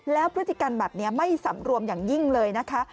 แล้วพฤติกรรมแบบนี้ไม่สำรวมอย่างยิ่งเลยนะคะ